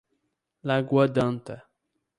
Lagoa d'Anta